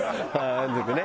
満足ね。